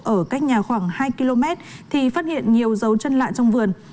ở cách nhà khoảng hai km thì phát hiện nhiều dấu chân lạ trong vườn